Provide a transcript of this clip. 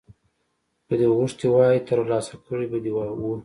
که دې غوښتي وای ترلاسه کړي به دې وو